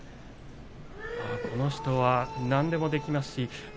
この人は何でもできますし。